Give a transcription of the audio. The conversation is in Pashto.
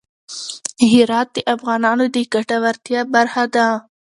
هرات د افغانانو د ګټورتیا برخه ده.